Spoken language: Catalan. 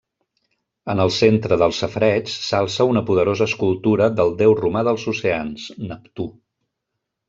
En el centre del safareig s'alça una poderosa escultura del déu romà dels oceans, Neptú.